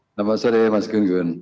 selamat sore mas gun gun